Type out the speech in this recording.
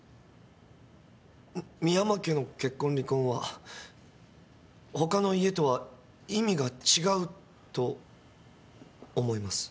深山家の結婚離婚は他の家とは意味が違うと思います。